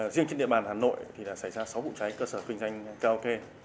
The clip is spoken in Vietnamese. riêng trên địa bàn hà nội thì đã xảy ra sáu vụ cháy cơ sở kinh doanh karaoke